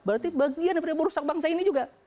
berarti bagian dari perusahaan bangsa ini juga